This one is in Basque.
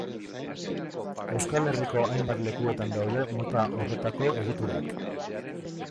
Euskal Herriko hainbat lekutan daude mota horretako egiturak.